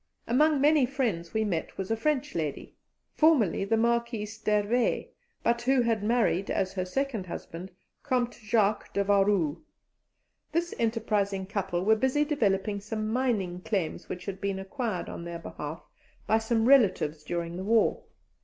Among many friends we met was a French lady, formerly the Marquise d'Hervé, but who had married, as her second husband, Comte Jacque de Waru. This enterprising couple were busy developing some mining claims which had been acquired on their behalf by some relatives during the war.